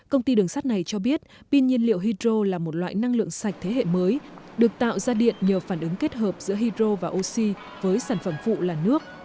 công ty đường sắt này cho biết pin nhiên liệu hydro là một loại năng lượng sạch thế hệ mới được tạo ra điện nhờ phản ứng kết hợp giữa hydro và oxy với sản phẩm phụ là nước